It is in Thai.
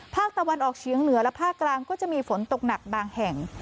ภาคตะวันออกเฉียงเหนือและภาคกลางก็จะมีฝนตกหนักบางแห่ง